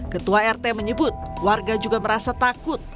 ketua rt menyebut warga juga merasa takut